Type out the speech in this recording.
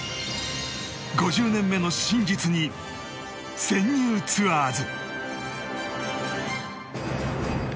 ５０年目の真実に潜入ツアーズ！